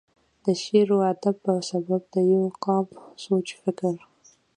دَ شعر و ادب پۀ سبب دَ يو قام سوچ فکر،